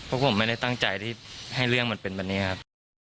เพราะผมไม่ได้ตั้งใจที่ให้เรื่องมันเป็นวันนี้ครับ